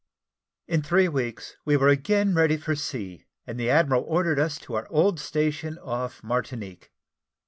In three weeks we were again ready for sea, and the admiral ordered us to our old station off Martinique.